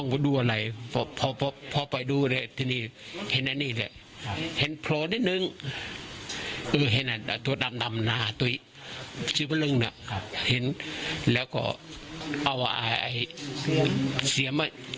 ปวดปวดมอเตอร์ไซด์เลย